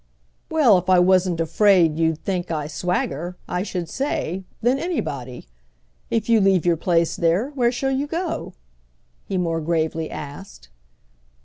"Well, if I wasn't afraid you'd think I swagger, I should say—than anybody! If you leave your place there, where shall you go?" he more gravely asked.